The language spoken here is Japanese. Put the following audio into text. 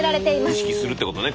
意識するってことね